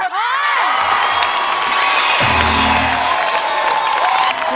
มค